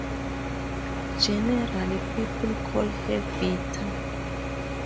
Generally people call her "Vita".